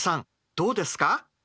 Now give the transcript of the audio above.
どうですか？